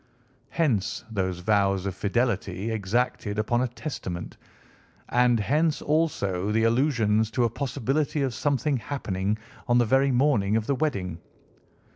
Hence those vows of fidelity exacted upon a Testament, and hence also the allusions to a possibility of something happening on the very morning of the wedding.